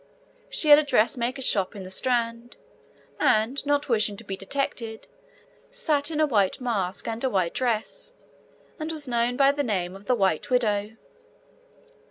She had a dressmaker's shop in the Strand, and, not wishing to be detected, sat in a white mask and a white dress, and was known by the name of the 'White Widow.'